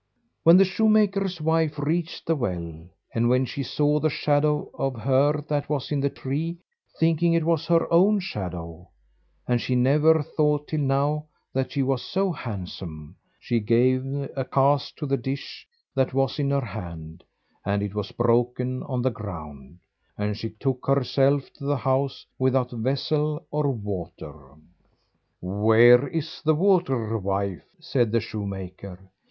When the shoemaker's wife reached the well, and when she saw the shadow of her that was in the tree, thinking it was her own shadow and she never thought till now that she was so handsome she gave a cast to the dish that was in her hand, and it was broken on the ground, and she took herself to the house without vessel or water. "Where is the water, wife?" said the shoemaker.